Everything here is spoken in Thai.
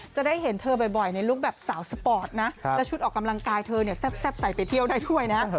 จะได้เห็นเธอบ่อยในลุคแบบสาวสปอร์ตนะและชุดออกกำลังกายเธอเนี่ยแซ่บใส่ไปเที่ยวได้ด้วยนะ